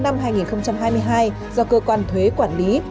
do cơ quan thuế quản lý